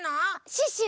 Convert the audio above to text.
シュッシュ